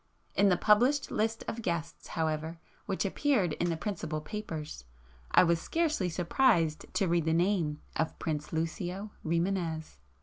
In the published list of guests, however which appeared in the principal papers, I was scarcely surprised to read the name of 'Prince Lucio Rimânez.